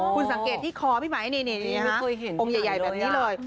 คุณสังเกตที่คอพี่ไม้นี่นะองค์ใหญ่แบบนี้เลย